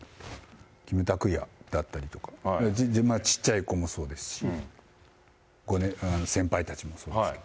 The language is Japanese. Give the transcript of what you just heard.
キムタクやだったりとか、全然、ちっちゃい子もそうですし、先輩たちもそうですけど。